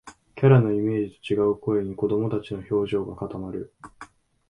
キャラのイメージと違う声に、子どもたちの表情が固まる